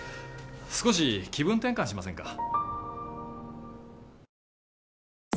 少し気分転換しませんか？